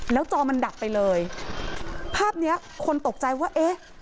แล้วจอมันดับไปเลยภาพเนี้ยคนตกใจว่าเอ๊ะ